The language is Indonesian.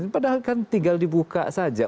padahal kan tinggal dibuka saja